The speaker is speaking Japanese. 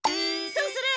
そうする！